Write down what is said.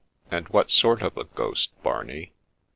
And what sort of a ghost, Barney